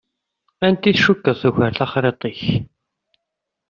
Anta i tcukkeḍ tuker taxṛiṭ-ik?